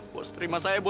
bos terima saya bos ya bos